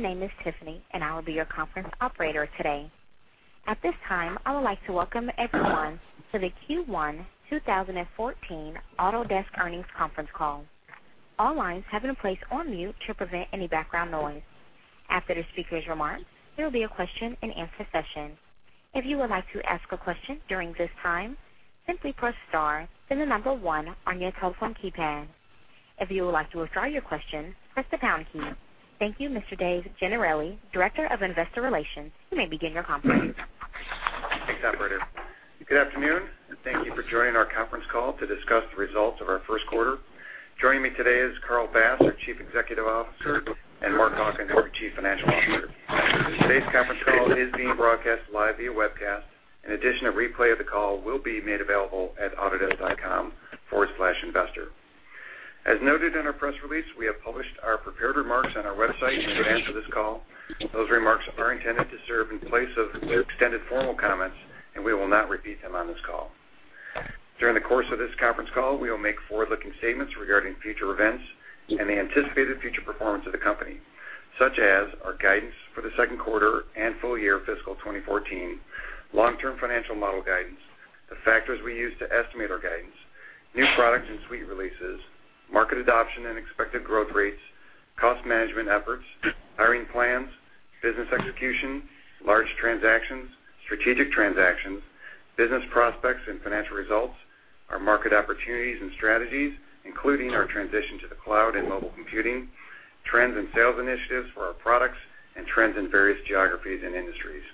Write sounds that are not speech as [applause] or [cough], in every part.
My name is Tiffany, and I will be your conference operator today. At this time, I would like to welcome everyone to the Q1 2014 Autodesk Earnings Conference Call. All lines have been placed on mute to prevent any background noise. After the speakers' remarks, there will be a question-and-answer session. If you would like to ask a question during this time, simply press star, then the number 1 on your telephone keypad. If you would like to withdraw your question, press the pound key. Thank you, Mr. Dave Gennarelli, Director of Investor Relations. You may begin your conference. Thanks, operator. Good afternoon, and thank you for joining our conference call to discuss the results of our first quarter. Joining me today is Carl Bass, our Chief Executive Officer, and Mark Hawkins, our Chief Financial Officer. Today's conference call is being broadcast live via webcast. In addition, a replay of the call will be made available at autodesk.com/investor. As noted in our press release, we have published our prepared remarks on our website in advance of this call. Those remarks are intended to serve in place of their extended formal comments, and we will not repeat them on this call. During the course of this conference call, we will make forward-looking statements regarding future events and the anticipated future performance of the company, such as our guidance for the second quarter and full year fiscal 2014, long-term financial model guidance, the factors we use to estimate our guidance, new products and suite releases, market adoption and expected growth rates, cost management efforts, hiring plans, business execution, large transactions, strategic transactions, business prospects and financial results, our market opportunities and strategies, including our transition to the cloud and mobile computing, trends and sales initiatives for our products, and trends in various geographies and industries.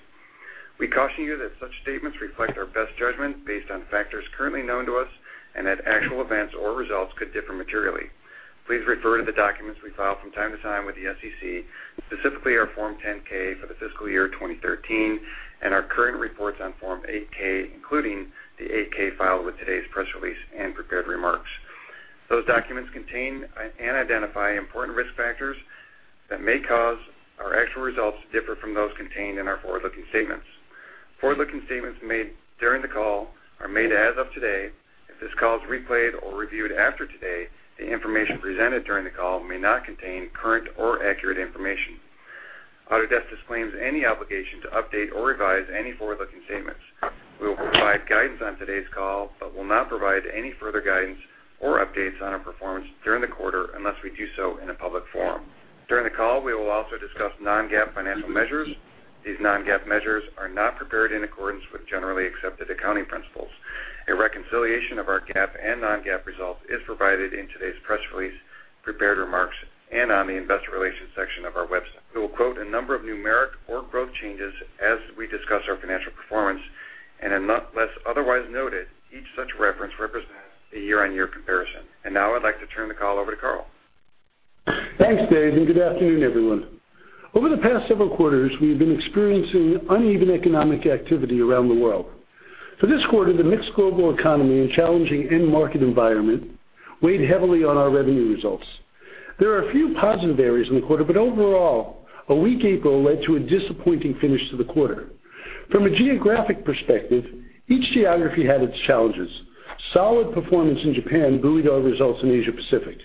We caution you that such statements reflect our best judgment based on factors currently known to us and that actual events or results could differ materially. Please refer to the documents we file from time to time with the SEC, specifically our Form 10-K for the fiscal year 2013, and our current reports on Form 8-K, including the 8-K filed with today's press release and prepared remarks. Those documents contain and identify important risk factors that may cause our actual results to differ from those contained in our forward-looking statements. Forward-looking statements made during the call are made as of today. If this call is replayed or reviewed after today, the information presented during the call may not contain current or accurate information. Autodesk disclaims any obligation to update or revise any forward-looking statements. We will provide guidance on today's call but will not provide any further guidance or updates on our performance during the quarter unless we do so in a public forum. During the call, we will also discuss non-GAAP financial measures. These non-GAAP measures are not prepared in accordance with generally accepted accounting principles. A reconciliation of our GAAP and non-GAAP results is provided in today's press release, prepared remarks, and on the investor relations section of our website. We will quote a number of numeric or growth changes as we discuss our financial performance, unless otherwise noted, each such reference represents a year-on-year comparison. Now I'd like to turn the call over to Carl. Thanks, Dave. Good afternoon, everyone. Over the past several quarters, we have been experiencing uneven economic activity around the world. For this quarter, the mixed global economy and challenging end market environment weighed heavily on our revenue results. There are a few positive areas in the quarter, but overall, a weak April led to a disappointing finish to the quarter. From a geographic perspective, each geography had its challenges. Solid performance in Japan buoyed our results in Asia-Pacific.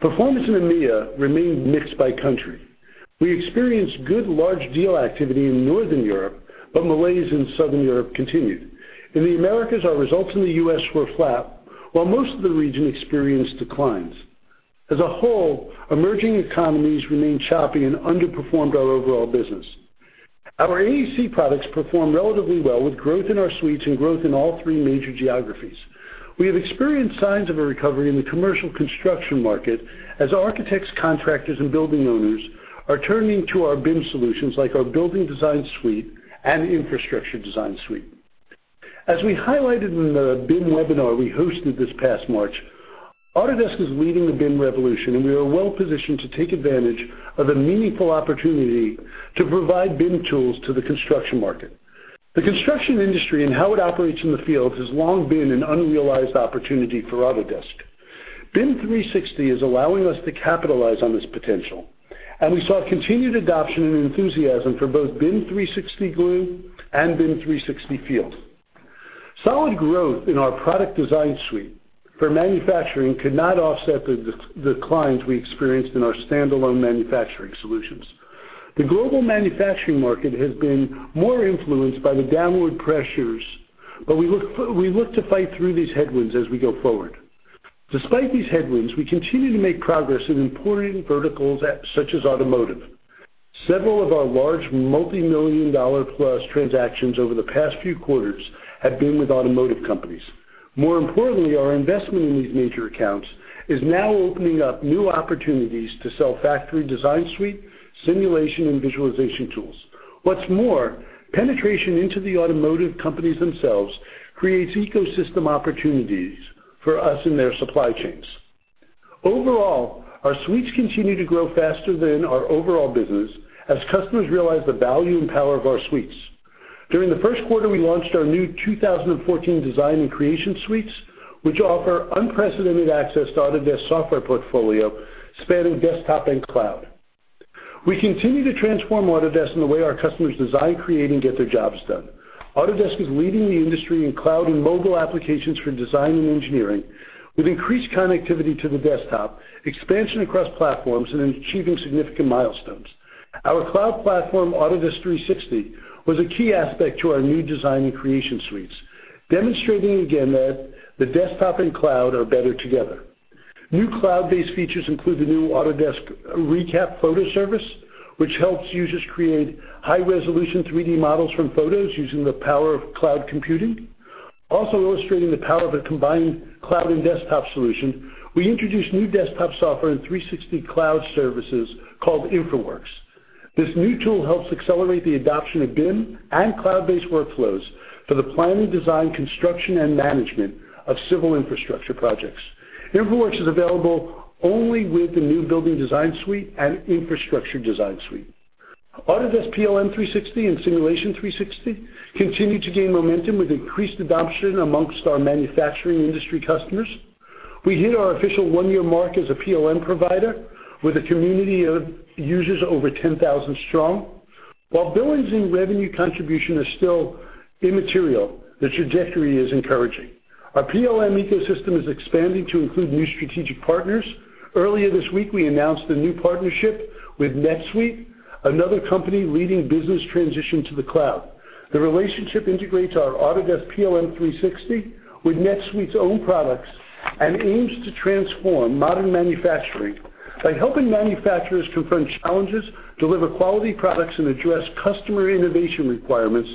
Performance in EMEA remained mixed by country. We experienced good large deal activity in Northern Europe, but malaise in Southern Europe continued. In the Americas, our results in the U.S. were flat, while most of the region experienced declines. As a whole, emerging economies remained choppy and underperformed our overall business. Our AEC products performed relatively well with growth in our suites and growth in all three major geographies. We have experienced signs of a recovery in the commercial construction market as architects, contractors, and building owners are turning to our BIM solutions like our Building Design Suite and Infrastructure Design Suite. As we highlighted in the BIM webinar we hosted this past March, Autodesk is leading the BIM revolution, we are well-positioned to take advantage of a meaningful opportunity to provide BIM tools to the construction market. The construction industry and how it operates in the field has long been an unrealized opportunity for Autodesk. BIM 360 is allowing us to capitalize on this potential, we saw continued adoption and enthusiasm for both BIM 360 Glue and BIM 360 Field. Solid growth in our Product Design Suite for manufacturing could not offset the declines we experienced in our standalone manufacturing solutions. The global manufacturing market has been more influenced by the downward pressures, we look to fight through these headwinds as we go forward. Despite these headwinds, we continue to make progress in important verticals such as automotive. Several of our large multi-million-dollar-plus transactions over the past few quarters have been with automotive companies. More importantly, our investment in these major accounts is now opening up new opportunities to sell Factory Design Suite, simulation, and visualization tools. What's more, penetration into the automotive companies themselves creates ecosystem opportunities for us in their supply chains. Overall, our suites continue to grow faster than our overall business as customers realize the value and power of our suites. During the first quarter, we launched our new 2014 design and creation suites, which offer unprecedented access to Autodesk software portfolio spanning desktop and cloud. We continue to transform Autodesk in the way our customers design, create, and get their jobs done. Autodesk is leading the industry in cloud and mobile applications for design and engineering with increased connectivity to the desktop, expansion across platforms, and in achieving significant milestones. Our cloud platform, Autodesk 360, was a key aspect to our new design and creation suites, demonstrating again that the desktop and cloud are better together. New cloud-based features include the new Autodesk ReCap photo service, which helps users create high-resolution 3D models from photos using the power of cloud computing. Also illustrating the power of a combined cloud and desktop solution, we introduced new desktop software and 360 cloud services called InfraWorks. This new tool helps accelerate the adoption of BIM and cloud-based workflows for the planning, design, construction, and management of civil infrastructure projects. InfraWorks is available only with the new Building Design Suite and Infrastructure Design Suite. Autodesk PLM 360 and Simulation 360 continue to gain momentum with increased adoption amongst our manufacturing industry customers. We hit our official one-year mark as a PLM provider with a community of users over 10,000 strong. While billings and revenue contribution are still immaterial, the trajectory is encouraging. Our PLM ecosystem is expanding to include new strategic partners. Earlier this week, we announced a new partnership with NetSuite, another company leading business transition to the cloud. The relationship integrates our Autodesk PLM 360 with NetSuite's own products and aims to transform modern manufacturing by helping manufacturers confront challenges, deliver quality products, and address customer innovation requirements,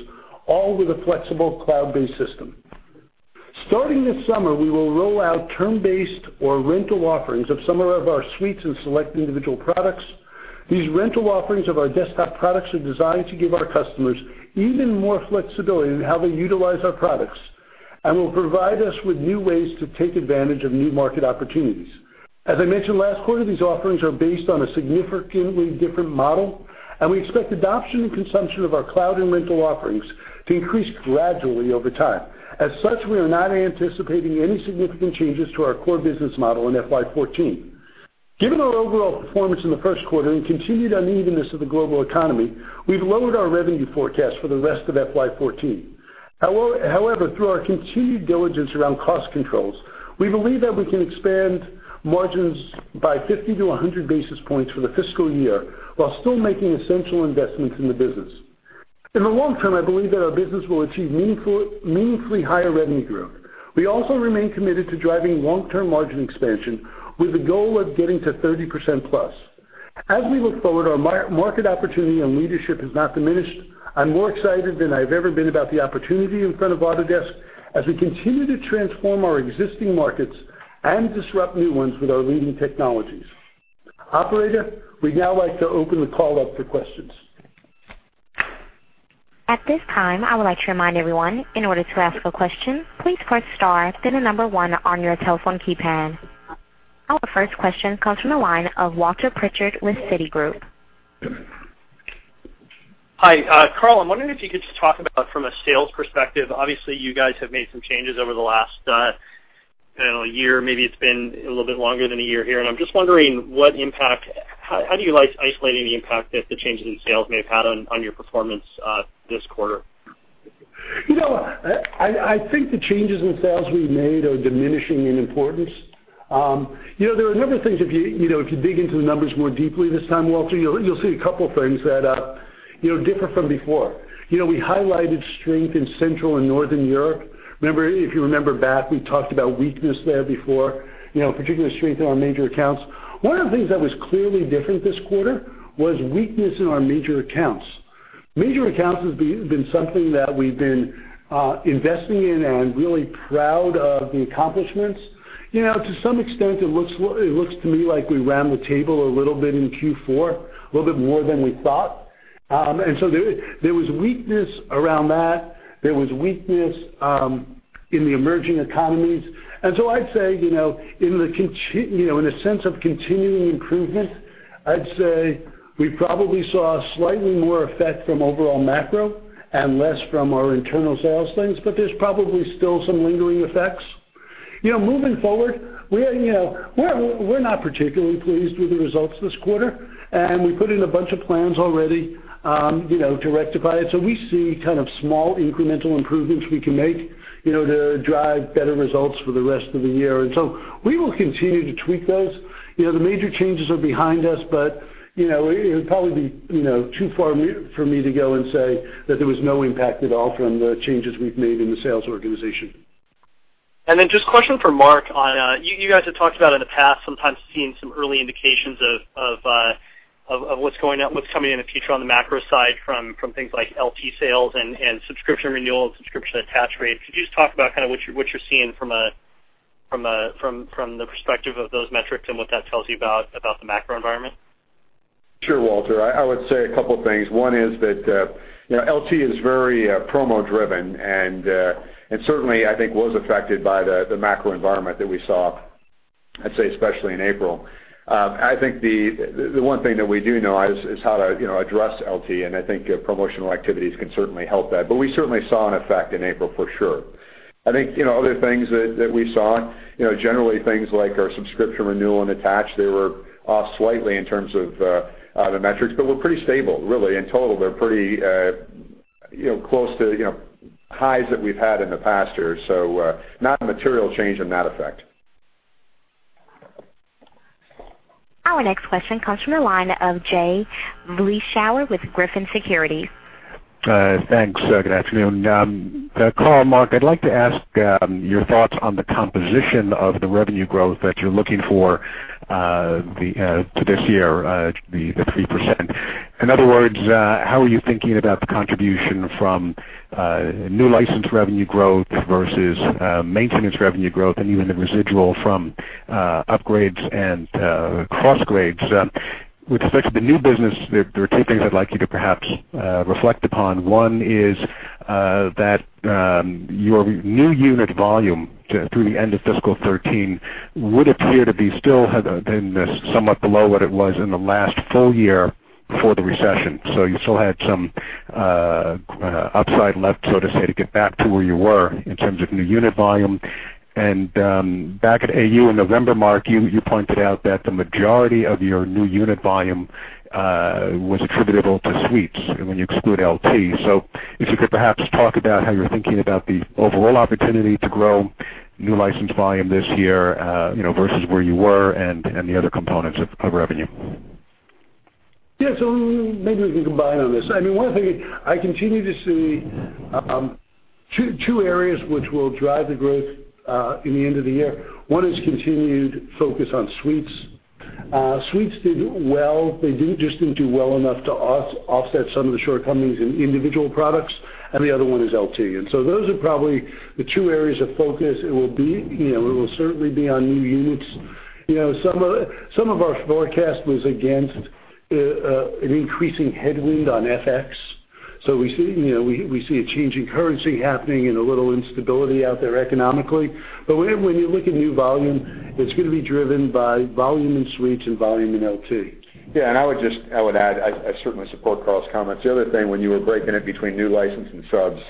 all with a flexible cloud-based system. Starting this summer, we will roll out term-based or rental offerings of some of our suites and select individual products. These rental offerings of our desktop products are designed to give our customers even more flexibility in how they utilize our products and will provide us with new ways to take advantage of new market opportunities. As I mentioned last quarter, these offerings are based on a significantly different model. We expect adoption and consumption of our cloud and rental offerings to increase gradually over time. As such, we are not anticipating any significant changes to our core business model in FY 2014. Given our overall performance in the first quarter and continued unevenness of the global economy, we've lowered our revenue forecast for the rest of FY 2014. However, through our continued diligence around cost controls, we believe that we can expand margins by 50 to 100 basis points for the fiscal year while still making essential investments in the business. In the long term, I believe that our business will achieve meaningfully higher revenue growth. We also remain committed to driving long-term margin expansion with a goal of getting to 30% plus. As we look forward, our market opportunity and leadership has not diminished. I'm more excited than I've ever been about the opportunity in front of Autodesk as we continue to transform our existing markets and disrupt new ones with our leading technologies. Operator, we'd now like to open the call up for questions. At this time, I would like to remind everyone, in order to ask a question, please press star then the number 1 on your telephone keypad. Our first question comes from the line of Walter Pritchard with Citigroup. Hi, Carl. I'm wondering if you could just talk about from a sales perspective, obviously, you guys have made some changes over the last, I don't know, a year, maybe it's been a little bit longer than a year here. I'm just wondering how do you like isolating the impact that the changes in sales may have had on your performance this quarter? I think the changes in sales we've made are diminishing in importance. There are a number of things if you dig into the numbers more deeply this time, Walter, you'll see a couple things that differ from before. We highlighted strength in Central and Northern Europe. If you remember back, we talked about weakness there before, particular strength in our major accounts. One of the things that was clearly different this quarter was weakness in our major accounts. Major accounts has been something that we've been investing in and really proud of the accomplishments. To some extent, it looks to me like we ran the table a little bit in Q4, a little bit more than we thought. There was weakness around that. There was weakness in the emerging economies. I'd say, in a sense of continuing improvement, I'd say we probably saw slightly more effect from overall macro and less from our internal sales things, but there's probably still some lingering effects. Moving forward, we're not particularly pleased with the results this quarter, and we put in a bunch of plans already to rectify it. We see small incremental improvements we can make to drive better results for the rest of the year. We will continue to tweak those. The major changes are behind us, but it would probably be too far for me to go and say that there was no impact at all from the changes we've made in the sales organization. Just a question for Mark on, you guys have talked about in the past sometimes seeing some early indications of what's coming in the future on the macro side from things like LT sales and subscription renewal and subscription attach rates. Could you just talk about what you're seeing from the perspective of those metrics and what that tells you about the macro environment? Sure, Walter. I would say a couple things. One is that LT is very promo-driven, and certainly, I think was affected by the macro environment that we saw, I'd say especially in April. I think the one thing that we do know is how to address LT, and I think promotional activities can certainly help that. We certainly saw an effect in April, for sure. I think other things that we saw, generally things like our subscription renewal and attach, they were off slightly in terms of the metrics, but were pretty stable, really. In total, they're pretty close to highs that we've had in the past years. Not a material change in that effect. Our next question comes from the line of Jay Vleeschhouwer with Griffin Securities. Thanks. Good afternoon. Carl, Mark, I'd like to ask your thoughts on the composition of the revenue growth that you're looking for to this year, the 3%. In other words, how are you thinking about the contribution from new license revenue growth versus maintenance revenue growth, and even the residual from upgrades and cross-grades? With respect to the new business, there are two things I'd like you to perhaps reflect upon. One is that your new unit volume through the end of fiscal 2013 would appear to be still somewhat below what it was in the last full year before the recession. You still had some upside left, so to say, to get back to where you were in terms of new unit volume. Back at AU in November, Mark, you pointed out that the majority of your new unit volume was attributable to suites and when you exclude LT. If you could perhaps talk about how you're thinking about the overall opportunity to grow new license volume this year, versus where you were and the other components of revenue. Maybe we can combine on this. One thing, I continue to see two areas which will drive the growth in the end of the year. One is continued focus on suites. Suites did well. They just didn't do well enough to offset some of the shortcomings in individual products, and the other one is LT. Those are probably the two areas of focus. It will certainly be on new units. Some of our forecast was against an increasing headwind on FX. We see a change in currency happening and a little instability out there economically. When you look at new volume, it's going to be driven by volume in suites and volume in LT. I would add, I certainly support Carl's comments. The other thing, when you were breaking it between new license and subs,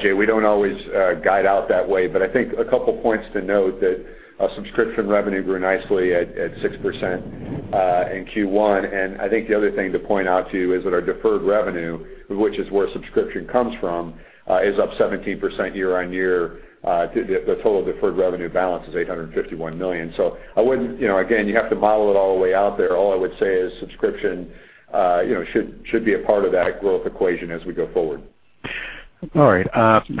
Jay, we don't always guide out that way. I think a couple points to note that our subscription revenue grew nicely at 6% in Q1. I think the other thing to point out, too, is that our deferred revenue, which is where subscription comes from, is up 17% year-on-year. The total deferred revenue balance is $851 million. Again, you have to model it all the way out there. All I would say is subscription should be a part of that growth equation as we go forward. All right.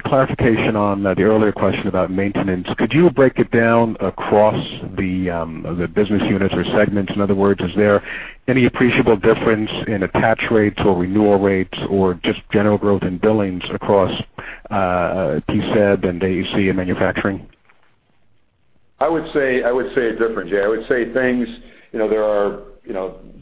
Clarification on the earlier question about maintenance. Could you break it down across the business units or segments? In other words, is there any appreciable difference in attach rates or renewal rates or just general growth in billings across PSEB and AEC and manufacturing? I would say it different, Jay. I would say there are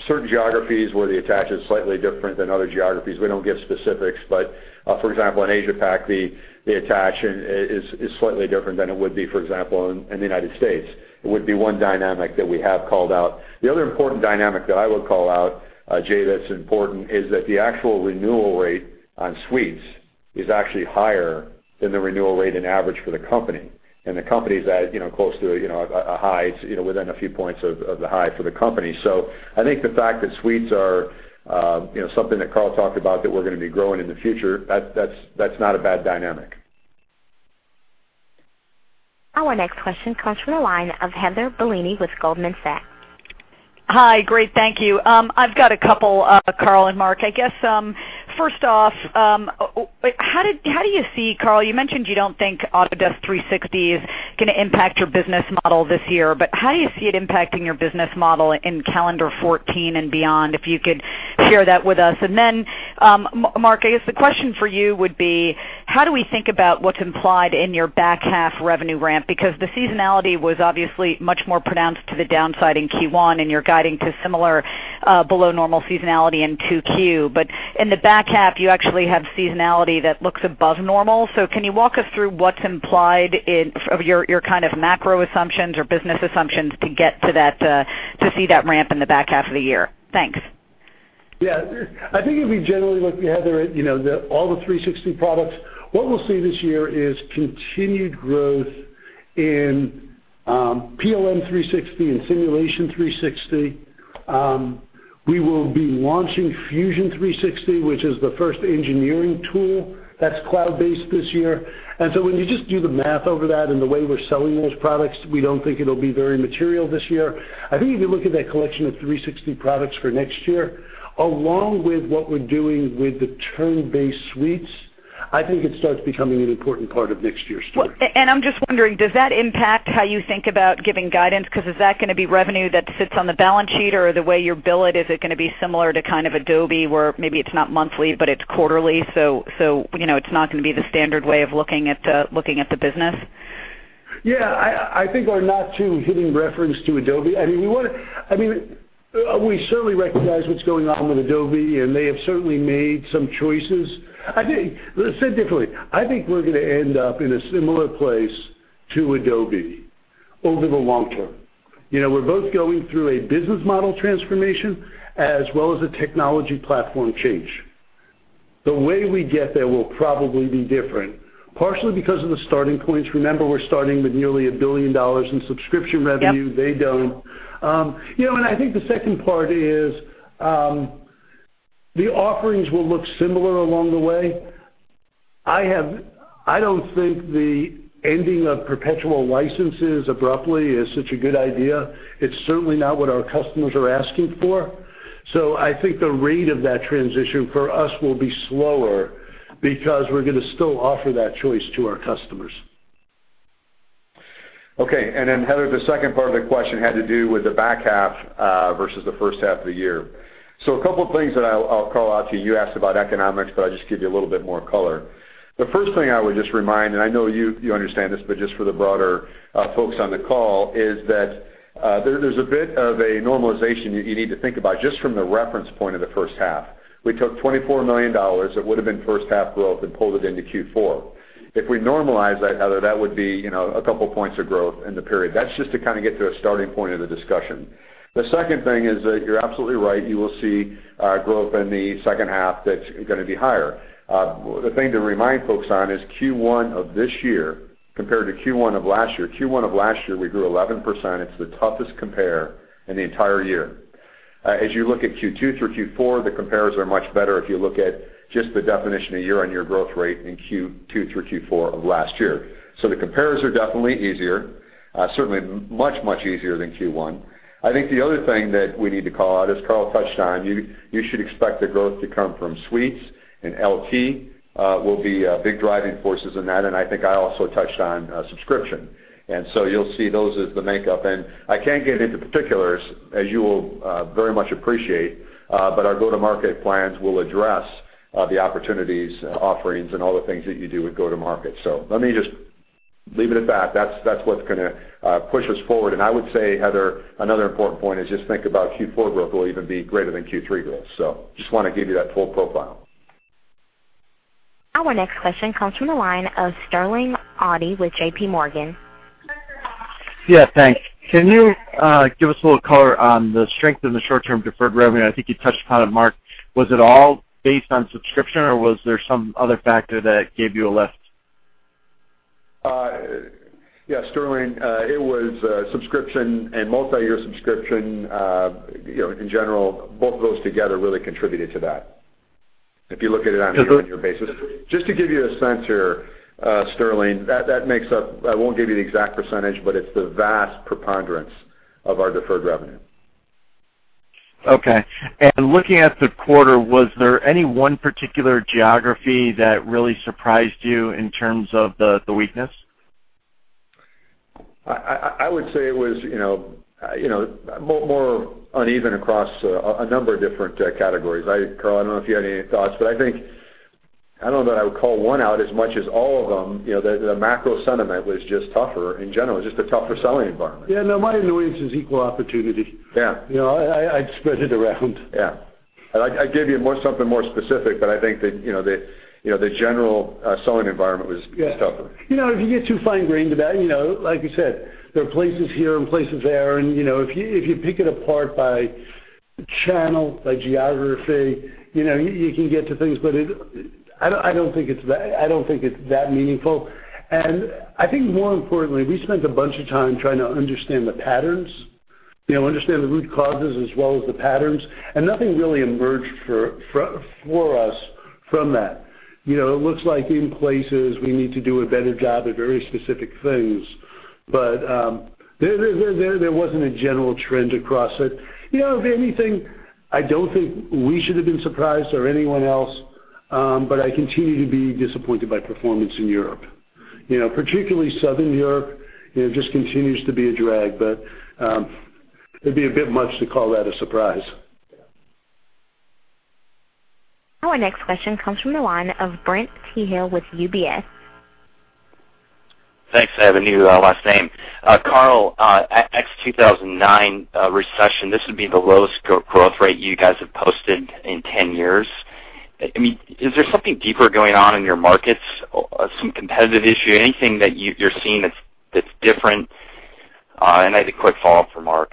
certain geographies where the attach is slightly different than other geographies. We don't give specifics, but for example, in Asia Pac, the attach is slightly different than it would be, for example, in the United States. It would be one dynamic that we have called out. The other important dynamic that I would call out, Jay, that's important, is that the actual renewal rate on suites is actually higher than the renewal rate in average for the company. The company is at close to a high, within a few points of the high for the company. I think the fact that suites are something that Carl talked about, that we're going to be growing in the future, that's not a bad dynamic. Our next question comes from the line of Heather Bellini with Goldman Sachs. Hi. Great, thank you. I've got a couple, Carl and Mark. I guess, first off, how do you see, Carl, you mentioned you don't think Autodesk 360 is going to impact your business model this year, but how do you see it impacting your business model in calendar 2014 and beyond? If you could share that with us. Then Mark, I guess the question for you would be, how do we think about what's implied in your back half revenue ramp? Because the seasonality was obviously much more pronounced to the downside in Q1, and you're guiding to similar below normal seasonality in 2Q. In the back half, you actually have seasonality that looks above normal. Can you walk us through what's implied of your kind of macro assumptions or business assumptions to get to see that ramp in the back half of the year? Thanks. I think if you generally look, Heather, at all the 360 products, what we'll see this year is continued growth in PLM 360 and Simulation 360. We will be launching Fusion 360, which is the first engineering tool that's cloud-based this year. When you just do the math over that and the way we're selling those products, we don't think it'll be very material this year. I think if you look at that collection of 360 products for next year, along with what we're doing with the term-based suites, I think it starts becoming an important part of next year's story. I'm just wondering, does that impact how you think about giving guidance? Because is that going to be revenue that sits on the balance sheet or the way you bill it, is it going to be similar to kind of Adobe, where maybe it's not monthly, but it's quarterly, so it's not going to be the standard way of looking at the business? Yeah, I think our not too hidden reference to Adobe. We certainly recognize what's going on with Adobe, and they have certainly made some choices. Let's say it differently. I think we're going to end up in a similar place to Adobe over the long term. We're both going through a business model transformation as well as a technology platform change. The way we get there will probably be different, partially because of the starting points. Remember, we're starting with nearly $1 billion in subscription revenue. Yep. They don't. I think the second part is, the offerings will look similar along the way. I don't think the ending of perpetual licenses abruptly is such a good idea. It's certainly not what our customers are asking for. I think the rate of that transition for us will be slower because we're going to still offer that choice to our customers. Okay. Heather, the second part of the question had to do with the back half versus the first half of the year. A couple of things that I'll call out to you. You asked about economics, but I'll just give you a little bit more color. The first thing I would just remind, and I know you understand this, but just for the broader folks on the call, is that there's a bit of a normalization you need to think about just from the reference point of the first half. We took $24 million that would have been first half growth and pulled it into Q4. If we normalize that, Heather, that would be a couple points of growth in the period. That's just to kind of get to a starting point of the discussion. The second thing is that you're absolutely right. You will see growth in the second half that's going to be higher. The thing to remind folks on is Q1 of this year compared to Q1 of last year. Q1 of last year, we grew 11%. It's the toughest compare in the entire year. As you look at Q2 through Q4, the compares are much better if you look at just the definition of year-on-year growth rate in Q2 through Q4 of last year. The compares are definitely easier, certainly much, much easier than Q1. I think the other thing that we need to call out, as Carl touched on, you should expect the growth to come from Suites and LT will be big driving forces in that. I think I also touched on subscription. You'll see those as the makeup. I can't get into particulars as you will very much appreciate, but our go-to-market plans will address the opportunities, offerings, and all the things that you do with go-to-market. Let me just leave it at that. That's what's going to push us forward. I would say, Heather, another important point is just think about Q4 growth will even be greater than Q3 growth. Just want to give you that full profile. Our next question comes from the line of Sterling Auty with JPMorgan. Yeah, thanks. Can you give us a little color on the strength in the short-term deferred revenue? I think you touched upon it, Mark. Was it all based on subscription, or was there some other factor that gave you a lift? Yes, Sterling, it was subscription and multi-year subscription in general. Both of those together really contributed to that. If you look at it on a year-on-year basis. Just to give you a sense here, Sterling, that makes up, I won't give you the exact percentage, but it's the vast preponderance of our deferred revenue. Looking at the quarter, was there any one particular geography that really surprised you in terms of the weakness? I would say it was more uneven across a number of different categories. Carl, I don't know if you had any thoughts, but I think, I don't know that I would call one out as much as all of them. The macro sentiment was just tougher in general, just a tougher selling environment. Yeah, no, my noise is equal opportunity. Yeah. I spread it around. Yeah. I'd give you something more specific, but I think that the general selling environment was tougher. If you get too fine-grained about it, like you said, there are places here and places there, and if you pick it apart by channel, by geography, you can get to things, but I don't think it's that meaningful. I think more importantly, we spent a bunch of time trying to understand the patterns, understand the root causes as well as the patterns, and nothing really emerged for us from that. It looks like in places we need to do a better job at very specific things. There wasn't a general trend across it. If anything, I don't think we should have been surprised or anyone else, but I continue to be disappointed by performance in Europe. Particularly Southern Europe, just continues to be a drag. It'd be a bit much to call that a surprise. Yeah. Our next question comes from the line of Brent Thill with UBS. Thanks. I have a new last name. Carl, ex 2009 recession, this would be the lowest growth rate you guys have posted in 10 years. Is there something deeper going on in your markets, some competitive issue, anything that you're seeing that's different? I had a quick follow-up for Mark.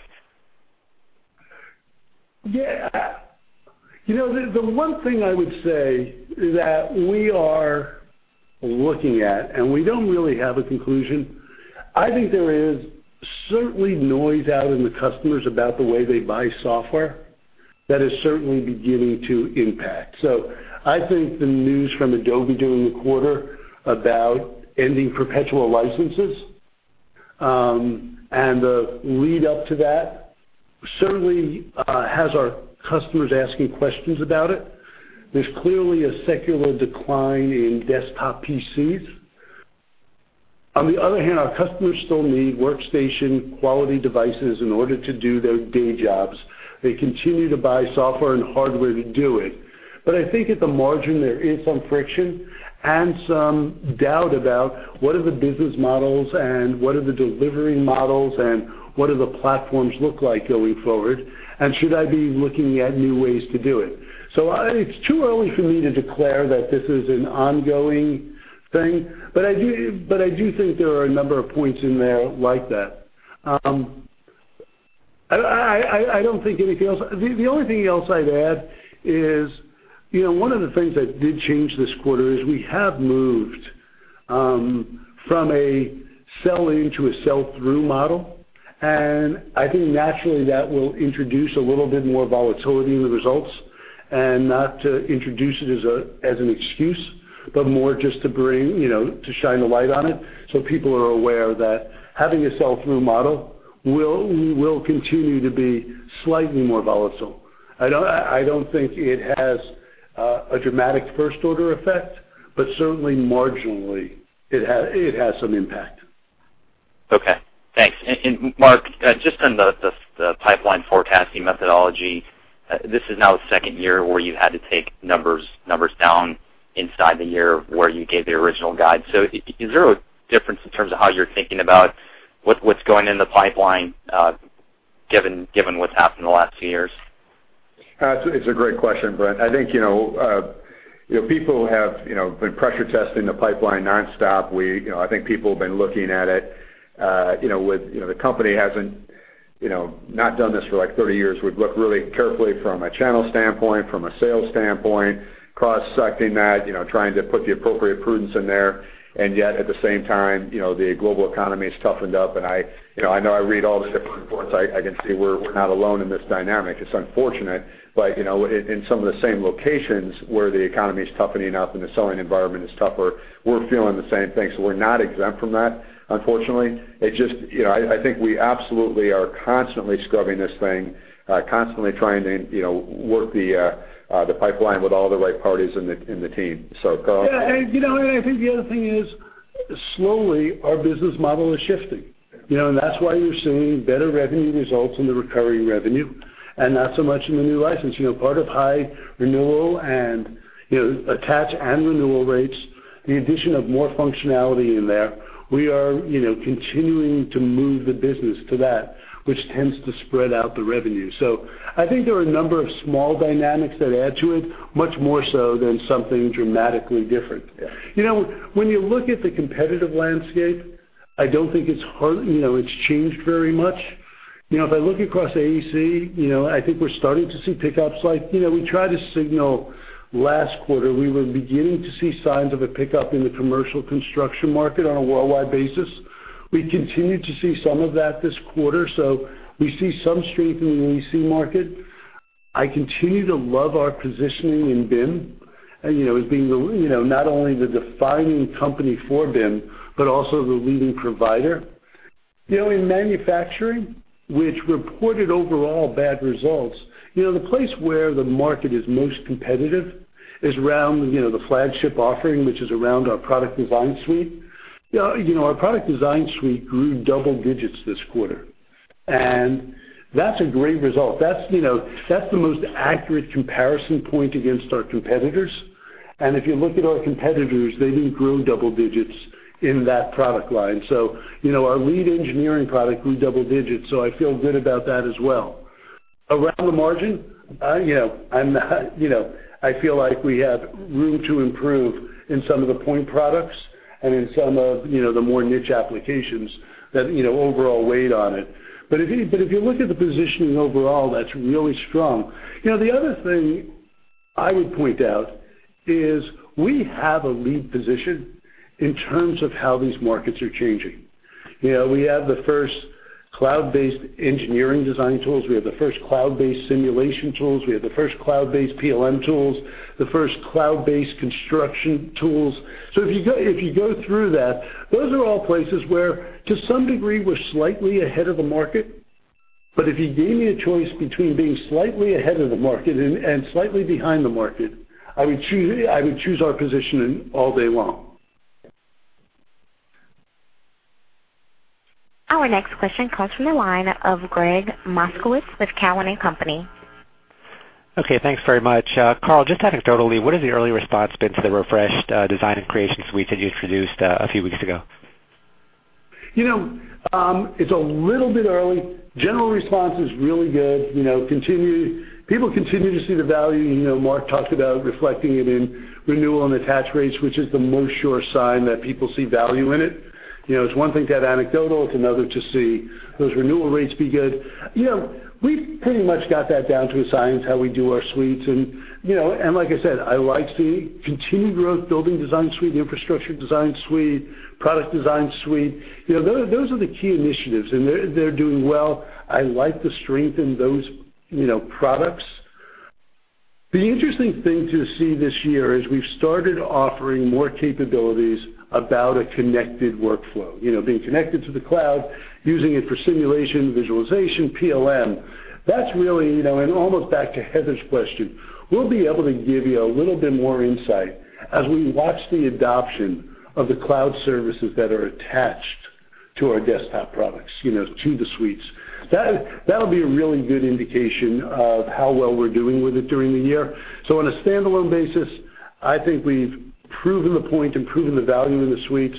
Yeah. The one thing I would say is that we are looking at, we don't really have a conclusion. I think there is certainly noise out in the customers about the way they buy software that is certainly beginning to impact. I think the news from Adobe during the quarter about ending perpetual licenses, and the lead up to that certainly has our customers asking questions about it. There's clearly a secular decline in desktop PCs. On the other hand, our customers still need workstation quality devices in order to do their day jobs. They continue to buy software and hardware to do it. I think at the margin, there is some friction and some doubt about what are the business models and what are the delivery models and what do the platforms look like going forward, and should I be looking at new ways to do it? It's too early for me to declare that this is an ongoing thing, but I do think there are a number of points in there like that. I don't think anything else. The only thing else I'd add is one of the things that did change this quarter is we have moved from a sell into a sell-through model. I think naturally that will introduce a little bit more volatility in the results, and not to introduce it as an excuse, but more just to shine a light on it so people are aware that having a sell-through model will continue to be slightly more volatile. I don't think it has a dramatic first-order effect, but certainly marginally, it has some impact. Okay, thanks. Mark, just on the pipeline forecasting methodology, this is now the second year where you had to take numbers down inside the year where you gave the original guide. Is there a difference in terms of how you're thinking about what's going in the pipeline, given what's happened the last two years? It's a great question, Brent. I think people have been pressure testing the pipeline nonstop. I think people have been looking at it. The company has not done this for 30 years. We've looked really carefully from a channel standpoint, from a sales standpoint, cross-secting that, trying to put the appropriate prudence in there, and yet at the same time, the global economy has toughened up, and I know I read all the different reports. I can see we're not alone in this dynamic. It's unfortunate. In some of the same locations where the economy is toughening up and the selling environment is tougher, we're feeling the same thing. We're not exempt from that, unfortunately. I think we absolutely are constantly scrubbing this thing, constantly trying to work the pipeline with all the right parties in the team. Carl. Yeah. I think the other thing is, slowly, our business model is shifting. That's why you're seeing better revenue results in the recurring revenue, and not so much in the new license. Part of high renewal and attach and renewal rates, the addition of more functionality in there, we are continuing to move the business to that, which tends to spread out the revenue. I think there are a number of small dynamics that add to it, much more so than something dramatically different. Yeah. When you look at the competitive landscape, I don't think it's changed very much. If I look across AEC, I think we're starting to see pick-ups. We tried to signal last quarter, we were beginning to see signs of a pick-up in the commercial construction market on a worldwide basis. We continued to see some of that this quarter. We see some strength in the AEC market. I continue to love our positioning in BIM, as being not only the defining company for BIM, but also the leading provider. In manufacturing, which reported overall bad results. The place where the market is most competitive is around the flagship offering, which is around our Product Design Suite. Our Product Design Suite grew double digits this quarter, and that's a great result. That's the most accurate comparison point against our competitors. If you look at our competitors, they didn't grow double digits in that product line. Our lead engineering product grew double digits, so I feel good about that as well. Around the margin, I feel like we have room to improve in some of the point products and in some of the more niche applications that overall weighed on it. If you look at the positioning overall, that's really strong. The other thing I would point out is we have a lead position in terms of how these markets are changing. We have the first cloud-based engineering design tools, we have the first cloud-based simulation tools, we have the first cloud-based PLM tools, the first cloud-based construction tools. If you go through that, those are all places where, to some degree, we're slightly ahead of the market. If you gave me a choice between being slightly ahead of the market and slightly behind the market, I would choose our positioning all day long. Our next question comes from the line of Gregg Moskowitz with Cowen and Company. Okay. Thanks very much. Carl, just anecdotally, what has the early response been to the refreshed design and creation suite that you introduced a few weeks ago? It's a little bit early. General response is really good. People continue to see the value. Mark talked about reflecting it in renewal and attach rates, which is the most sure sign that people see value in it. It's one thing to have anecdotal, it's another to see those renewal rates be good. We've pretty much got that down to a science, how we do our suites, and like I said, I like seeing continued growth Building Design Suite, Infrastructure Design Suite, Product Design Suite. Those are the key initiatives, and they're doing well. I like the strength in those products. The interesting thing to see this year is we've started offering more capabilities about a connected workflow. Being connected to the cloud, using it for simulation, visualization, PLM. Almost back to Heather's question, we'll be able to give you a little bit more insight as we watch the adoption of the cloud services that are attached to our desktop products, to the suites. That'll be a really good indication of how well we're doing with it during the year. On a standalone basis, I think we've proven the point and proven the value in the suites.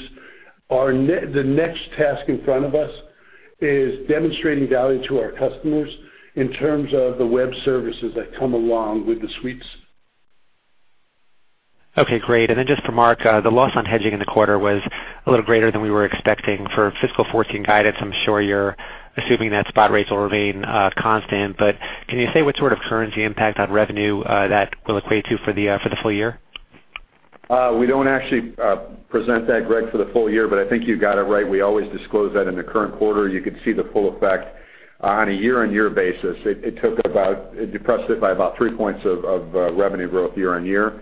The next task in front of us is demonstrating value to our customers in terms of the web services that come along with the suites. Okay, great. Then just for Mark, the loss on hedging in the quarter was a little greater than we were expecting for fiscal 2014 guidance. I'm sure you're assuming that spot rates will remain constant, but can you say what sort of currency impact on revenue that will equate to for the full year? We don't actually present that, Greg, for the full year. I think you got it right. We always disclose that in the current quarter. You could see the full effect. On a year-over-year basis, it depressed it by about three points of revenue growth year-over-year.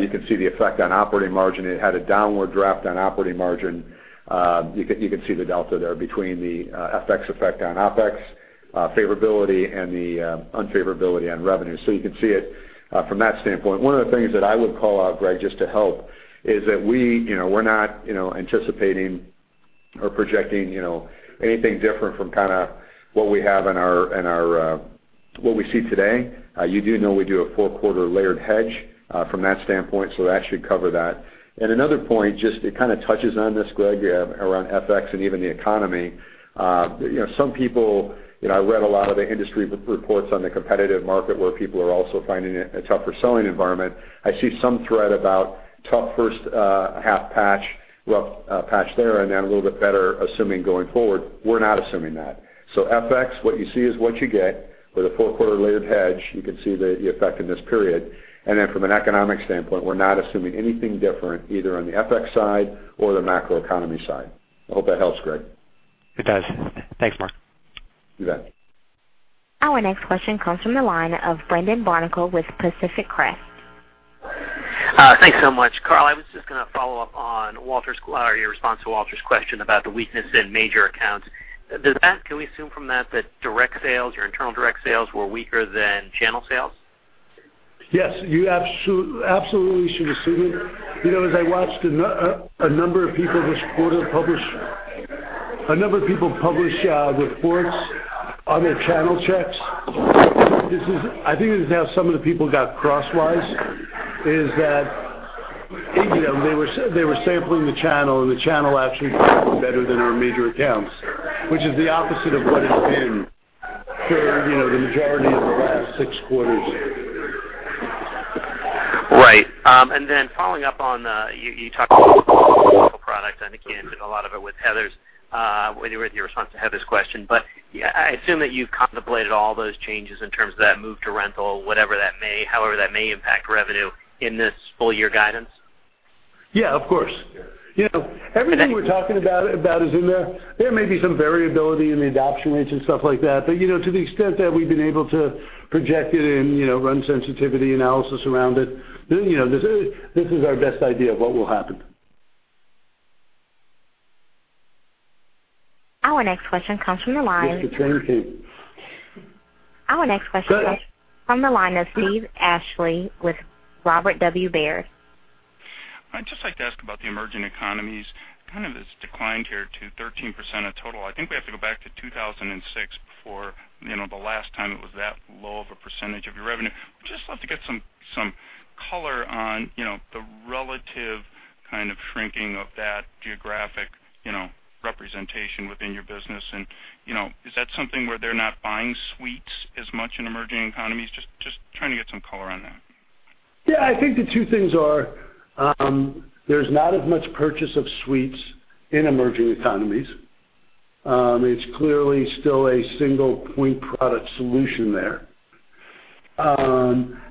You can see the effect on operating margin. It had a downward draft on operating margin. You could see the delta there between the FX effect on OpEx favorability and the unfavorability on revenue. You can see it from that standpoint. One of the things that I would call out, Greg, just to help, is that we're not anticipating or projecting anything different from what we see today. You do know we do a four-quarter layered hedge from that standpoint, so that should cover that. Another point, just it kind of touches on this, Gregg, around FX and even the economy. I read a lot of the industry reports on the competitive market where people are also finding it a tougher selling environment. I see some thread about tough first half patch, rough patch there and then a little bit better assuming going forward. We're not assuming that. FX, what you see is what you get with a 4-quarter layered hedge. You can see the effect in this period. From an economic standpoint, we're not assuming anything different, either on the FX side or the macro economy side. I hope that helps, Gregg. It does. Thanks, Mark. You bet. Our next question comes from the line of Brendan Barnicle with Pacific Crest. Thanks so much. Carl, I was just going to follow up on your response to Walter's question about the weakness in major accounts. Can we assume from that your internal direct sales were weaker than channel sales? Yes, you absolutely should assume it. As I watched a number of people this quarter publish reports on their channel checks, I think this is how some of the people got crosswise, is that they were sampling the channel, and the channel actually did better than our major accounts, which is the opposite of what it's been for the majority of the last six quarters. Right. Following up on, you talked [inaudible] products. I think you answered a lot of it with your response to Heather's question. I assume that you've contemplated all those changes in terms of that move to rental, however that may impact revenue in this full-year guidance. Yeah, of course. Everything we're talking about is in there. There may be some variability in the adoption rates and stuff like that. To the extent that we've been able to project it and run sensitivity analysis around it, this is our best idea of what will happen. Our next question comes from the line. Mr. Turner, too. Our next question comes. Go ahead. From the line of Steve Ashley with Robert W. Baird. I'd just like to ask about the emerging economies. Kind of it's declined here to 13% of total. I think we have to go back to 2006 before the last time it was that low of a percentage of your revenue. I'd just love to get some color on the relative kind of shrinking of that geographic representation within your business. Is that something where they're not buying suites as much in emerging economies? Just trying to get some color on that. Yeah, I think the two things are, there's not as much purchase of suites in emerging economies. It's clearly still a single point product solution there.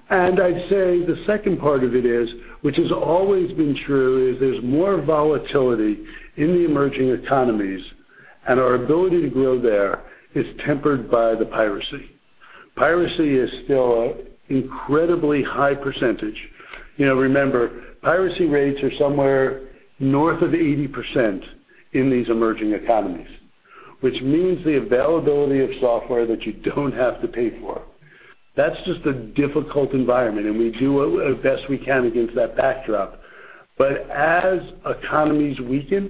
I'd say the second part of it is, which has always been true, is there's more volatility in the emerging economies, and our ability to grow there is tempered by the piracy. Piracy is still an incredibly high percentage. Remember, piracy rates are somewhere north of 80% in these emerging economies, which means the availability of software that you don't have to pay for. That's just a difficult environment, and we do the best we can against that backdrop. As economies weaken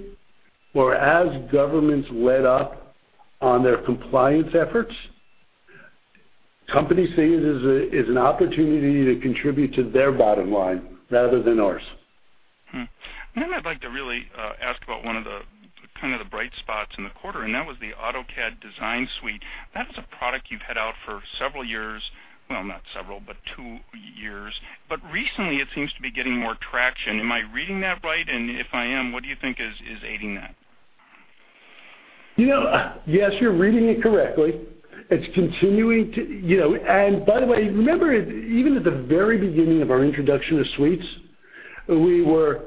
or as governments let up on their compliance efforts, companies see it as an opportunity to contribute to their bottom line rather than ours. I'd like to really ask about one of the bright spots in the quarter, and that was the AutoCAD Design Suite. That is a product you've had out for several years. Well, not several, but two years. Recently, it seems to be getting more traction. Am I reading that right? If I am, what do you think is aiding that? Yes, you're reading it correctly. It's continuing. By the way, remember, even at the very beginning of our introduction of suites, we were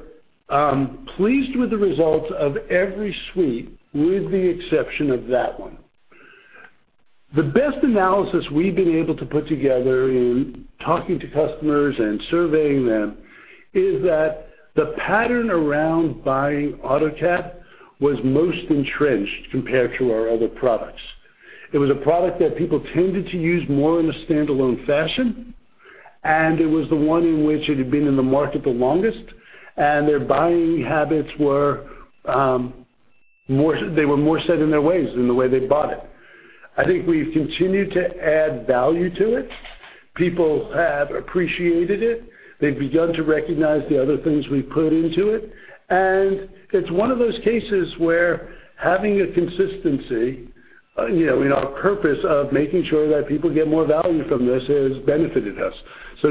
pleased with the results of every suite with the exception of that one. The best analysis we've been able to put together in talking to customers and surveying them is that the pattern around buying AutoCAD was most entrenched compared to our other products. It was a product that people tended to use more in a standalone fashion, and it was the one in which it had been in the market the longest, and their buying habits. They were more set in their ways in the way they bought it. I think we've continued to add value to it. People have appreciated it. They've begun to recognize the other things we've put into it. It's one of those cases where having a consistency Our purpose of making sure that people get more value from this has benefited us.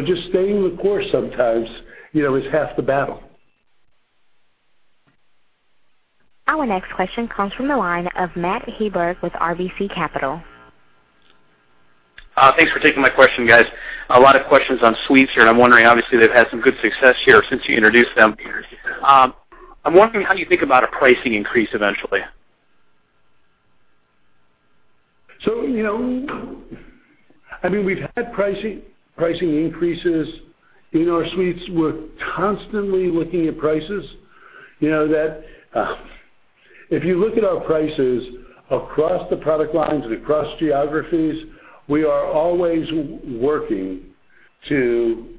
Just staying the course sometimes is half the battle. Our next question comes from the line of Matt Hedberg with RBC Capital. Thanks for taking my question, guys. A lot of questions on Suites here. I'm wondering, obviously, they've had some good success here since you introduced them. I'm wondering how you think about a pricing increase eventually. We've had pricing increases in our Suites. We're constantly looking at prices. If you look at our prices across the product lines and across geographies, we are always working to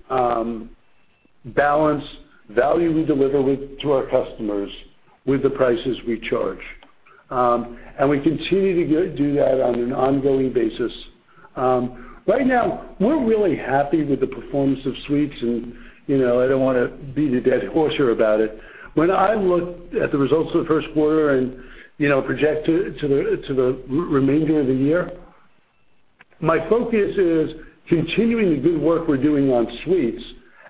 balance value we deliver to our customers with the prices we charge. We continue to do that on an ongoing basis. Right now, we're really happy with the performance of Suites. I don't want to beat a dead horse here about it. When I look at the results of the first quarter and project to the remainder of the year, my focus is continuing the good work we're doing on Suites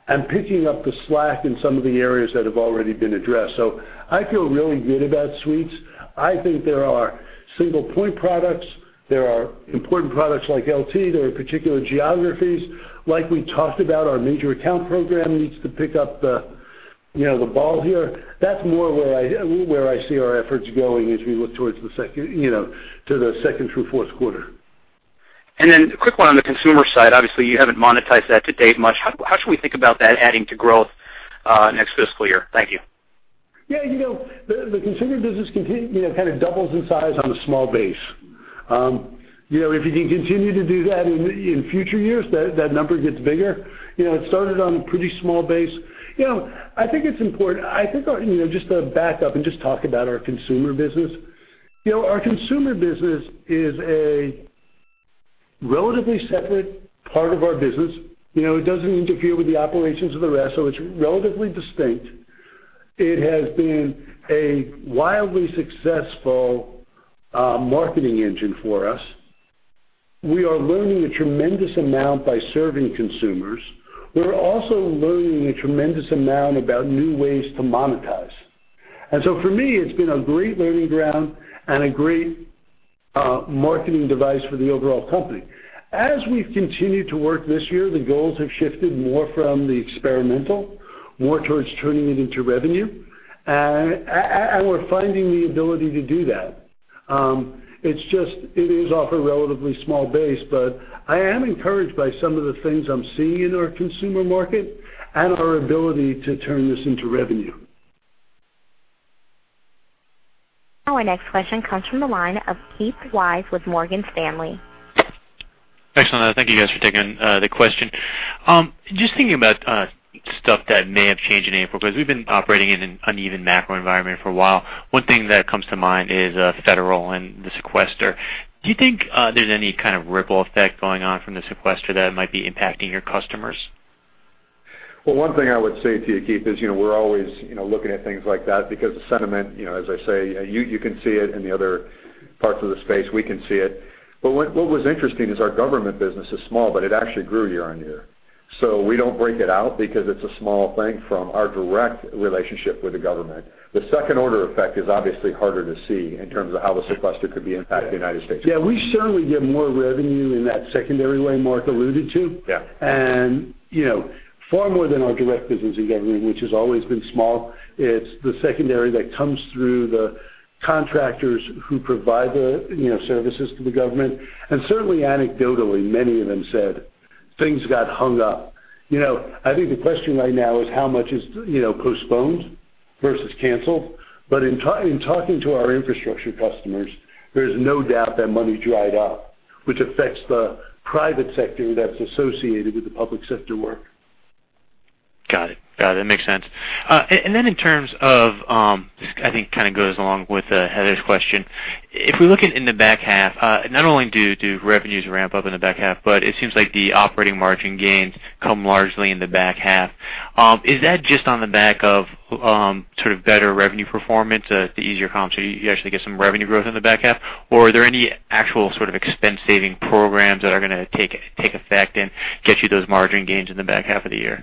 and picking up the slack in some of the areas that have already been addressed. I feel really good about Suites. I think there are single point products, there are important products like LT, there are particular geographies. Like we talked about, our major account program needs to pick up the ball here. That's more where I see our efforts going as we look towards the second through fourth quarter. A quick one on the consumer side. Obviously, you haven't monetized that to date much. How should we think about that adding to growth next fiscal year? Thank you. Yeah. The consumer business kind of doubles in size on a small base. If you can continue to do that in future years, that number gets bigger. It started on a pretty small base. I think it's important. I think, just to back up and just talk about our consumer business. Our consumer business is a relatively separate part of our business. It doesn't interfere with the operations of the rest, so it's relatively distinct. It has been a wildly successful marketing engine for us. We are learning a tremendous amount by serving consumers. We're also learning a tremendous amount about new ways to monetize. For me, it's been a great learning ground and a great marketing device for the overall company. As we've continued to work this year, the goals have shifted more from the experimental, more towards turning it into revenue. We're finding the ability to do that. It is off a relatively small base. I am encouraged by some of the things I'm seeing in our consumer market and our ability to turn this into revenue. Our next question comes from the line of Keith Weiss with Morgan Stanley. Excellent. Thank you guys for taking the question. Thinking about stuff that may have changed in April, because we've been operating in an uneven macro environment for a while. One thing that comes to mind is federal and the sequester. Do you think there's any kind of ripple effect going on from the sequester that might be impacting your customers? Well, one thing I would say to you, Keith, is we're always looking at things like that because the sentiment, as I say, you can see it in the other parts of the space. We can see it. What was interesting is our government business is small, but it actually grew year-on-year. We don't break it out because it's a small thing from our direct relationship with the government. The second order effect is obviously harder to see in terms of how the sequester could be impacting the United States. Yeah, we certainly get more revenue in that secondary way Mark alluded to. Yeah. Far more than our direct business in government, which has always been small. It's the secondary that comes through the contractors who provide the services to the government. Certainly anecdotally, many of them said things got hung up. I think the question right now is how much is postponed versus canceled. In talking to our infrastructure customers, there is no doubt that money dried up, which affects the private sector that's associated with the public sector work. Got it. That makes sense. Then in terms of, this, I think, kind of goes along with Heather's question. If we look at in the back half, not only do revenues ramp up in the back half, but it seems like the operating margin gains come largely in the back half. Is that just on the back of sort of better revenue performance, the easier comp, you actually get some revenue growth in the back half? Are there any actual sort of expense saving programs that are going to take effect and get you those margin gains in the back half of the year?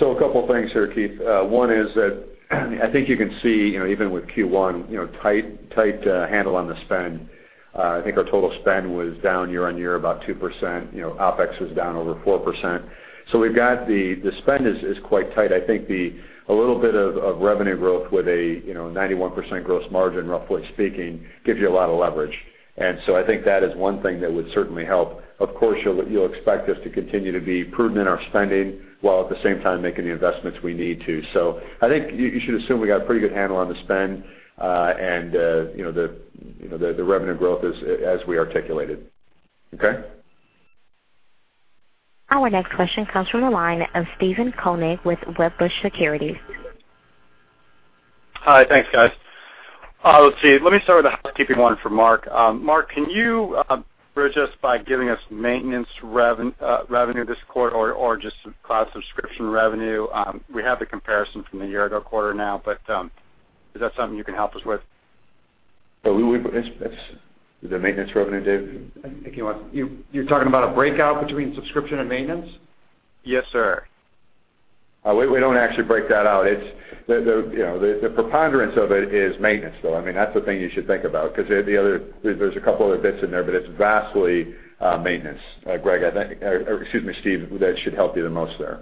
A couple of things here, Keith. One is that I think you can see, even with Q1, tight handle on the spend. I think our total spend was down year-over-year about 2%. OpEx was down over 4%. The spend is quite tight. I think a little bit of revenue growth with a 91% gross margin, roughly speaking, gives you a lot of leverage. I think that is one thing that would certainly help. Of course, you'll expect us to continue to be prudent in our spending, while at the same time making the investments we need to. I think you should assume we got a pretty good handle on the spend, and the revenue growth as we articulated. Okay? Our next question comes from the line of Steve Koenig with Wedbush Securities. Hi. Thanks, guys. Let's see. Let me start with a housekeeping one for Mark. Mark, can you bridge us by giving us maintenance revenue this quarter or just cloud subscription revenue? We have the comparison from the year-ago quarter now, but is that something you can help us with? The maintenance revenue, Dave? I think you're talking about a breakout between subscription and maintenance? Yes, sir. We don't actually break that out. The preponderance of it is maintenance, though. That's the thing you should think about, because there's a couple other bits in there, but it's vastly maintenance. Gregg, I think, or excuse me, Steve, that should help you the most there.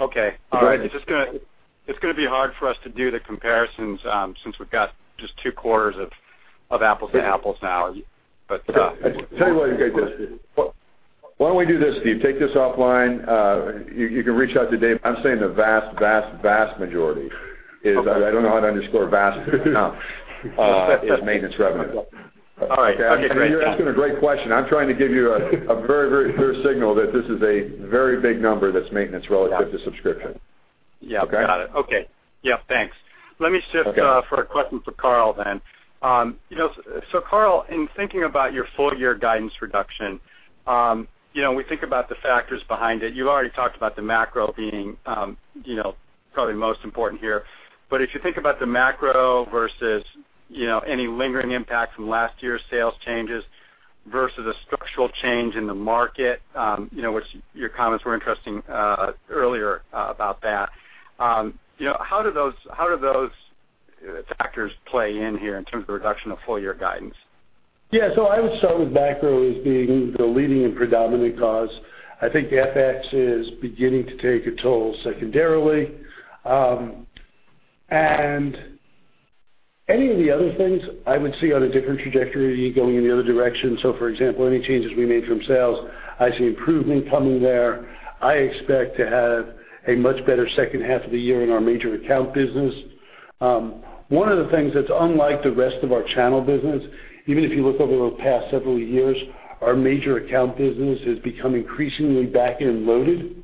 Okay. All right. It's going to be hard for us to do the comparisons, since we've got just two quarters of apples to apples now. Okay. I tell you what, guys. Why don't we do this, Steve? Take this offline. You can reach out to Dave. I'm saying the vast, vast majority is, I don't know how to underscore vast enough, maintenance revenue. All right. Okay, great. You're asking a great question. I'm trying to give you a very clear signal that this is a very big number that's maintenance relative to subscription. Yeah. Got it. Okay. Yeah, thanks. Let me shift for a question for Carl then. Carl, in thinking about your full-year guidance reduction, we think about the factors behind it. You've already talked about the macro being, probably most important here. If you think about the macro versus any lingering impact from last year's sales changes versus a structural change in the market, which your comments were interesting earlier about that. How do those factors play in here in terms of the reduction of full-year guidance? I would start with macro as being the leading and predominant cause. I think FX is beginning to take a toll secondarily. Any of the other things, I would see on a different trajectory going in the other direction. For example, any changes we made from sales, I see improvement coming there. I expect to have a much better second half of the year in our major account business. One of the things that's unlike the rest of our channel business, even if you look over the past several years, our major account business has become increasingly back-end loaded.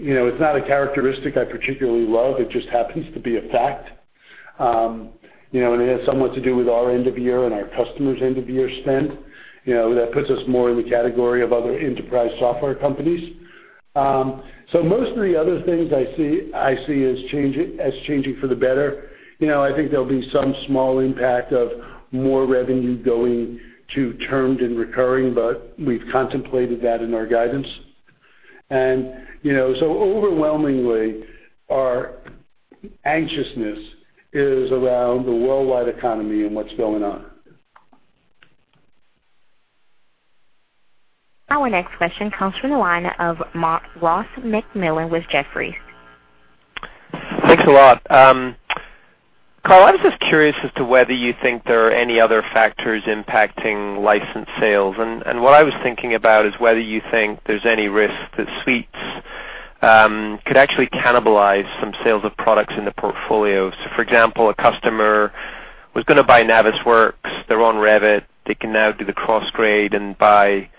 It's not a characteristic I particularly love. It just happens to be a fact. It has somewhat to do with our end of year and our customers' end of year spend. That puts us more in the category of other enterprise software companies. Most of the other things I see as changing for the better. I think there'll be some small impact of more revenue going to termed and recurring, but we've contemplated that in our guidance. Overwhelmingly, our anxiousness is around the worldwide economy and what's going on. Our next question comes from the line of Ross MacMillan with Jefferies. Thanks a lot. Carl, I was just curious as to whether you think there are any other factors impacting license sales. What I was thinking about is whether you think there's any risk that Suites could actually cannibalize some sales of products in the portfolio. For example, a customer was going to buy Navisworks. They're on Revit. They can now do the cross-grade and buy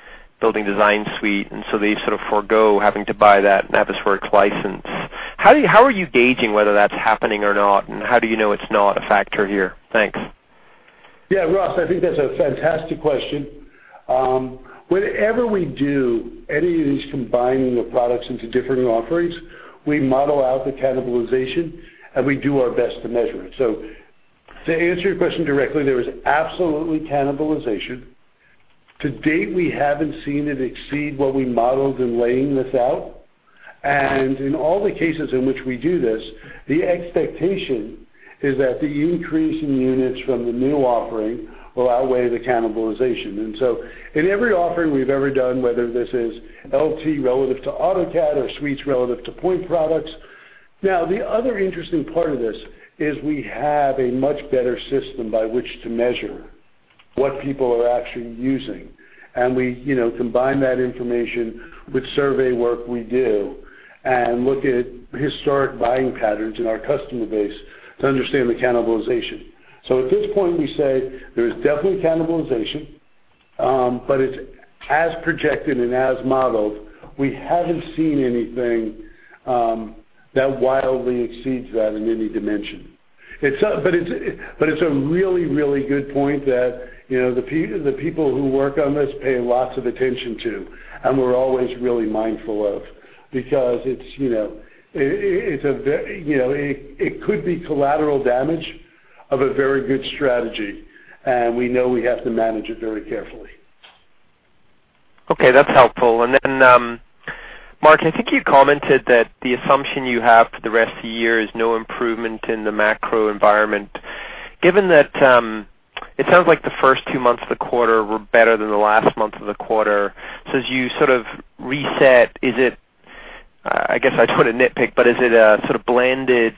Building Design Suite, they sort of forego having to buy that Navisworks license. How are you gauging whether that's happening or not, and how do you know it's not a factor here? Thanks. Yeah, Ross, I think that's a fantastic question. Whenever we do any of these combining of products into different offerings, we model out the cannibalization, and we do our best to measure it. To answer your question directly, there is absolutely cannibalization. To date, we haven't seen it exceed what we modeled in laying this out. In all the cases in which we do this, the expectation is that the increase in units from the new offering will outweigh the cannibalization. In every offering we've ever done, whether this is AutoCAD LT relative to AutoCAD or Suites relative to point products. Now, the other interesting part of this is we have a much better system by which to measure what people are actually using. We combine that information with survey work we do, and look at historic buying patterns in our customer base to understand the cannibalization. At this point, we say there is definitely cannibalization, but it's as projected and as modeled. We haven't seen anything that wildly exceeds that in any dimension. It's a really, really good point that the people who work on this pay lots of attention to, and we're always really mindful of, because it could be collateral damage of a very good strategy, and we know we have to manage it very carefully. Okay, that's helpful. Then, Mark, I think you commented that the assumption you have for the rest of the year is no improvement in the macro environment. Given that it sounds like the first two months of the quarter were better than the last month of the quarter. As you sort of reset, is it, I guess I don't want to nitpick, but is it a sort of blended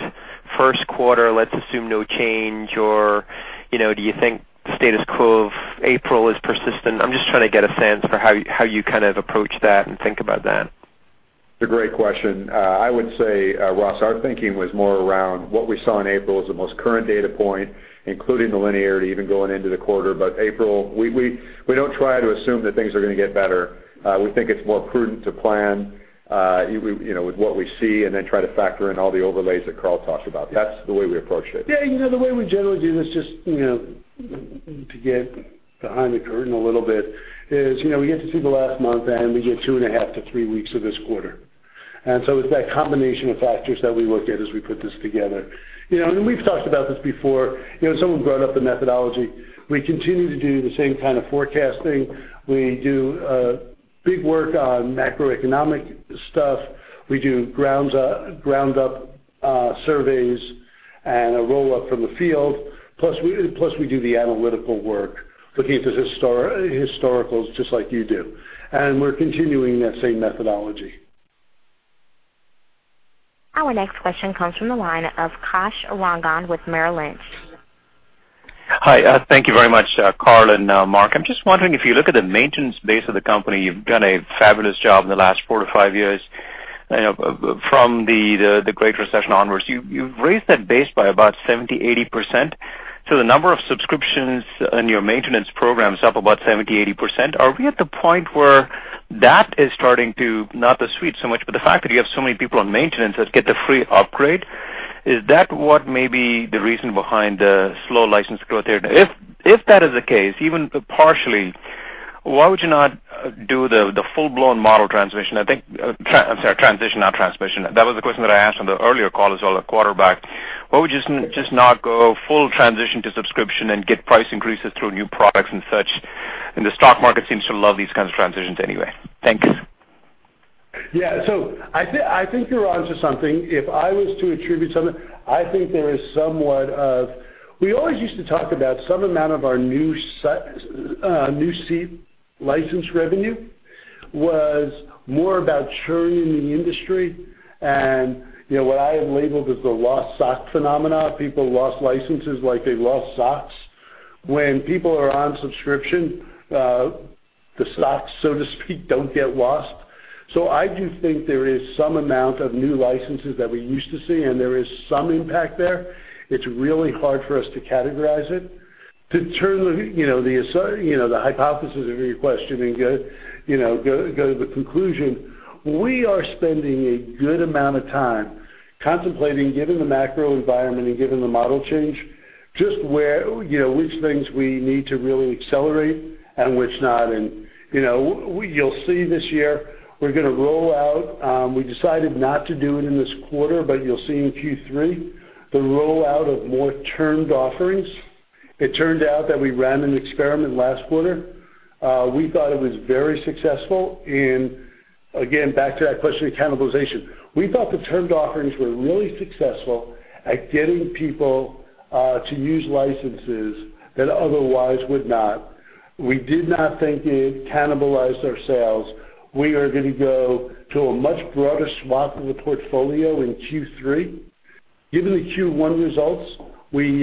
first quarter, let's assume no change, or, do you think the status quo of April is persistent? I'm just trying to get a sense for how you kind of approach that and think about that. It's a great question. I would say, Ross, our thinking was more around what we saw in April as the most current data point, including the linearity even going into the quarter. April, we don't try to assume that things are going to get better. We think it's more prudent to plan, with what we see, and then try to factor in all the overlays that Carl talked about. That's the way we approach it. Yeah. The way we generally do this, just to get behind the curtain a little bit, is we get to see the last month, and we get two and a half to three weeks of this quarter. So it's that combination of factors that we look at as we put this together. We've talked about this before. Someone brought up the methodology. We continue to do the same kind of forecasting. We do big work on macroeconomic stuff. We do ground-up surveys and a roll-up from the field. Plus, we do the analytical work, looking at the historicals, just like you do. We're continuing that same methodology. Our next question comes from the line of Kash Rangan with Merrill Lynch. Hi, thank you very much, Carl and Mark. I'm just wondering if you look at the maintenance base of the company, you've done a fabulous job in the last four to five years from the great recession onwards. You've raised that base by about 70%-80%. So the number of subscriptions in your maintenance program is up about 70%-80%. Are we at the point where that is starting to, not the suite so much, but the fact that you have so many people on maintenance that get the free upgrade, is that what may be the reason behind the slow license growth there? If that is the case, even partially, why would you not do the full-blown model transition? I'm sorry, transition, not transmission. That was the question that I asked on the earlier call as well, the quarter back. Why would you just not go full transition to subscription and get price increases through new products and such? The stock market seems to love these kinds of transitions anyway. Thank you. I think you're onto something. If I was to attribute something, I think there is somewhat of We always used to talk about some amount of our new seat license revenue was more about churning in the industry and what I have labeled as the lost sock phenomenon. People lost licenses like they lost socks. When people are on subscription, the socks, so to speak, don't get lost. I do think there is some amount of new licenses that we used to see, and there is some impact there. It's really hard for us to categorize it. To turn the hypothesis of your question and go to the conclusion, we are spending a good amount of time contemplating, given the macro environment and given the model change, which things we need to really accelerate and which not. You'll see this year, we're going to roll out. We decided not to do it in this quarter, but you'll see in Q3 the rollout of more termed offerings. It turned out that we ran an experiment last quarter. We thought it was very successful. Again, back to that question of cannibalization. We thought the termed offerings were really successful at getting people to use licenses that otherwise would not. We did not think it cannibalized our sales. We are going to go to a much broader swath of the portfolio in Q3. Given the Q1 results, we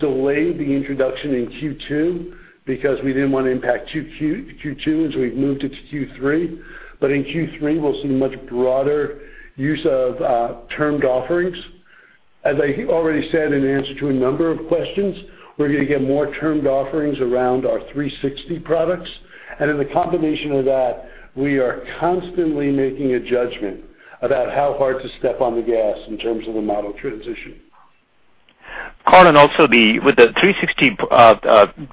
delayed the introduction in Q2 because we didn't want to impact Q2, as we've moved it to Q3. In Q3, we'll see much broader use of termed offerings. As I already said in answer to a number of questions, we're going to get more termed offerings around our 360 products. In the combination of that, we are constantly making a judgment about how hard to step on the gas in terms of the model transition. Carl, also with the 360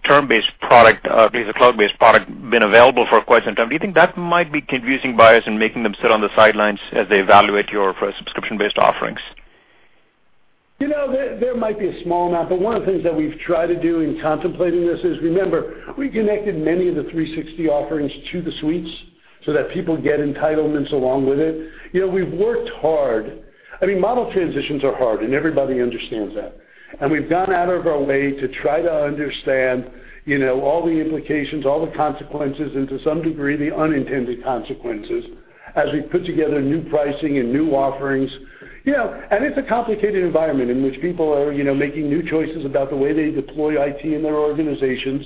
term-based product, basically cloud-based product, been available for quite some time, do you think that might be confusing buyers and making them sit on the sidelines as they evaluate your subscription-based offerings? One of the things that we've tried to do in contemplating this is, remember, we connected many of the 360 offerings to the suites so that people get entitlements along with it. We've worked hard. Model transitions are hard, and everybody understands that. We've gone out of our way to try to understand all the implications, all the consequences, and to some degree, the unintended consequences, as we put together new pricing and new offerings. It's a complicated environment in which people are making new choices about the way they deploy IT in their organizations,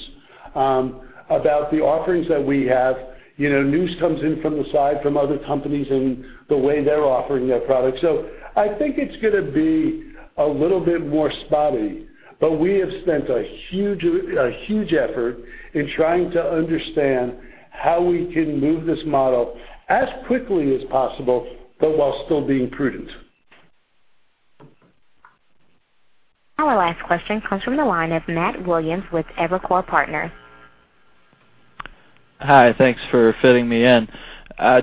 about the offerings that we have. News comes in from the side from other companies and the way they're offering their products. I think it's going to be a little bit more spotty, but we have spent a huge effort in trying to understand how we can move this model as quickly as possible, but while still being prudent. Our last question comes from the line of Matthew Williams with Evercore Partners. Hi, thanks for fitting me in.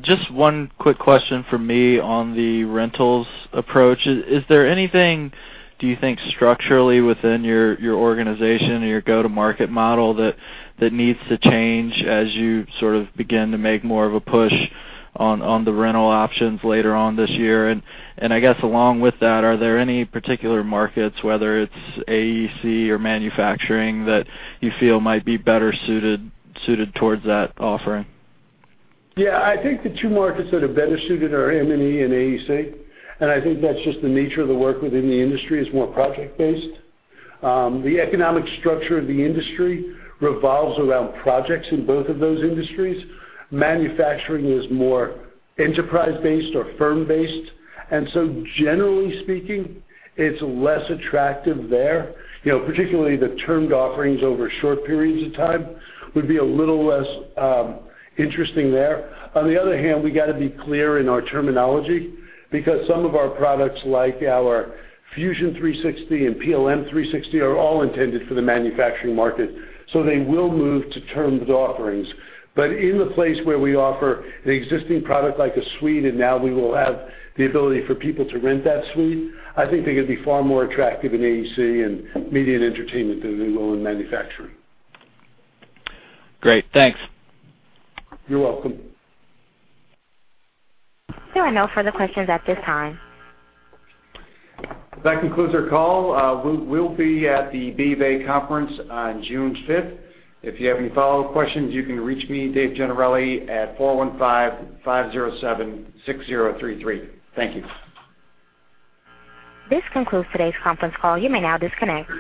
Just one quick question from me on the rentals approach. Is there anything, do you think, structurally within your organization or your go-to-market model that needs to change as you sort of begin to make more of a push on the rental options later on this year? I guess along with that, are there any particular markets, whether it's AEC or manufacturing, that you feel might be better suited towards that offering? I think the two markets that are better suited are M&E and AEC. I think that's just the nature of the work within the industry is more project-based. The economic structure of the industry revolves around projects in both of those industries. Manufacturing is more enterprise-based or firm-based. Generally speaking, it's less attractive there. Particularly the termed offerings over short periods of time would be a little less interesting there. On the other hand, we got to be clear in our terminology because some of our products, like our Fusion 360 and PLM 360, are all intended for the manufacturing market, they will move to termed offerings. In the place where we offer an existing product like a suite, now we will have the ability for people to rent that suite. I think they're going to be far more attractive in AEC and media and entertainment than they will in manufacturing. Great. Thanks. You're welcome. There are no further questions at this time. That concludes our call. We'll be at the [BBAB] conference on June 5th. If you have any follow-up questions, you can reach me, Dave Gennarelli, at 415-507-6033. Thank you. This concludes today's conference call. You may now disconnect.